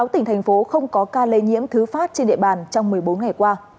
sáu tỉnh thành phố không có ca lây nhiễm thứ phát trên địa bàn trong một mươi bốn ngày qua